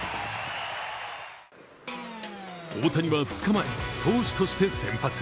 大谷は２日前、投手として先発。